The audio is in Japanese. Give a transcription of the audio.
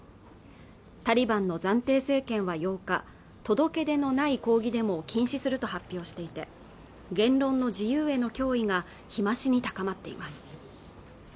タリバンの暫定政権は８日届け出のない抗議デモを禁止すると発表していて言論の自由への脅威が日増しに高まっています